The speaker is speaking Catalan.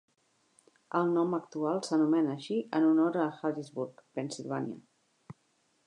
El nom actual s'anomena així en honor a Harrisburg, Pennsilvània.